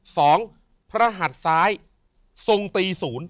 สองพระหัสซ้ายทรงตีศูนย์